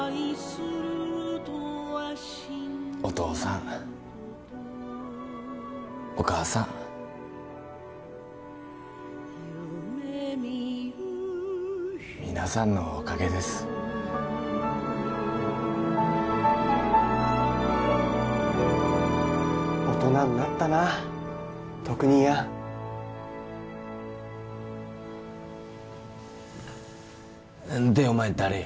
お父さんお母さん皆さんのおかげです・大人んなったな篤兄やんでお前誰や？